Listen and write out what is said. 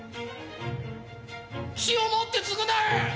血をもって償え！